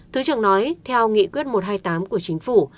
thứ trưởng nói theo nghị quyết một trăm hai mươi tám của chính phủ